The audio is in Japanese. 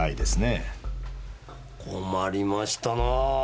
困りましたな。